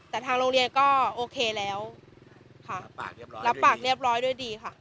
แต่ทางโรงเรียนก็โอเคแล้วค่ะรับปากเรียบร้อยด้วยดีค่ะ